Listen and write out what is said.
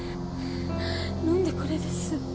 飲んでこれです。